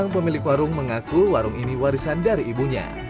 pemilik warung mengaku warung ini warisan dari ibunya